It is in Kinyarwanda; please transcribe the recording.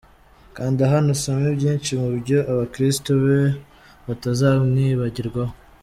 Kanda hano usome byinshi mu byo abakirisitu be batazamwibagirwaho.